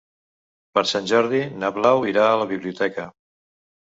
Per Sant Jordi na Blau irà a la biblioteca.